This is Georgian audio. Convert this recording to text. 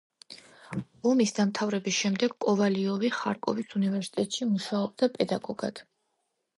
ომის დამთავრების შემდეგ კოვალიოვი ხარკოვის უნივერსიტეტში მუშაობდა პედაგოგად.